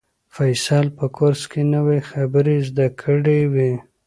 فیصل په کورس کې نوې خبرې زده کړې وې.